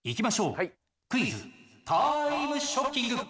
クイズタイムショッキング！